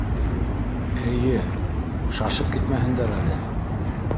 — Эйе, шашып китмәһендәр әле.